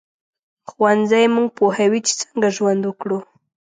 ښوونځی موږ پوهوي چې څنګه ژوند وکړو